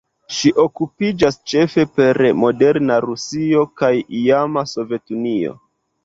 Ŝi okupiĝas ĉefe per moderna Rusio kaj iama Sovetunio.